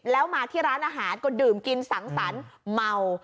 แล้วมาที่ร้านอาหารก็ดื่มกินสังสรรค์เมา